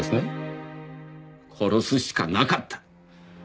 殺すしかなかった。